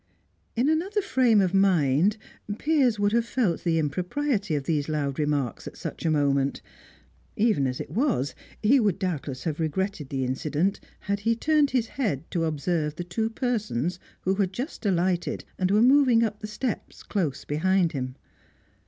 In another frame of mind, Piers would have felt the impropriety of these loud remarks at such a moment. Even as it was, he would doubtless have regretted the incident had he turned his head to observe the two persons who had just alighted and were moving up the steps close behind him.